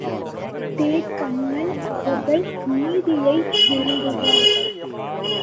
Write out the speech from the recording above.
தே.கண்ணன் அவர்கள் நீதியை விரும்புபவர்.